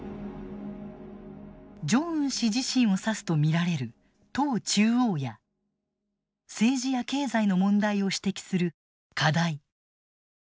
ジョンウン氏自身を指すと見られる「党中央」や政治や経済の問題を指摘する「課題」。